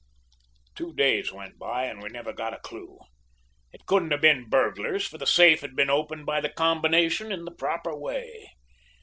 "Two days went by and we never got a clew. It couldn't have been burglars, for the safe had been opened by the combination in the proper way.